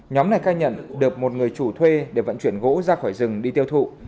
nhóm này khai nhận được một người chủ thuê để vận chuyển gỗ ra khỏi rừng đi tiêu thụ